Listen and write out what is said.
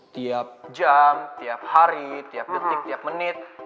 tiap jam tiap hari tiap detik tiap menit